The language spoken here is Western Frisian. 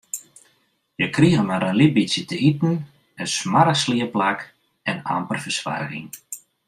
Hja krigen mar in lyts bytsje te iten, in smoarch sliepplak en amper fersoarging.